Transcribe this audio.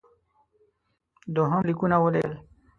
دوهم لیکونه ولېږل.